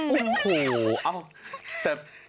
โอ้โฮแต่